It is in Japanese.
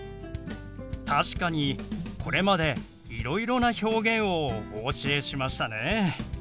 確かにこれまでいろいろな表現をお教えしましたね。